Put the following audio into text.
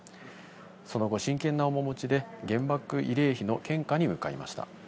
その後、真剣な面持ちで原爆慰霊碑の献花に向かいました。